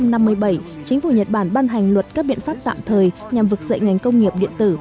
năm một nghìn chín trăm năm mươi bảy chính phủ nhật bản ban hành luật cấp biện pháp tạm thời nhằm vực dậy ngành công nghiệp điện tử